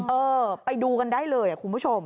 เออไปดูกันได้เลยคุณผู้ชม